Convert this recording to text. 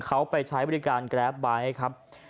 เขาไปใช้บริการแกรปไบท์ครับ